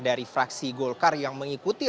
dari fraksi golkar yang mengikuti rapat ini